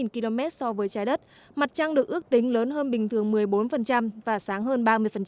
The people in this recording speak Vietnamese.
ba trăm bốn mươi tám km so với trái đất mặt trăng được ước tính lớn hơn bình thường một mươi bốn và sáng hơn ba mươi